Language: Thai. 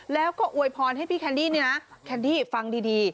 แล้วก็อวยพรให้พี่แคนดี้เนี่ยนะแคนดี้ฟังดี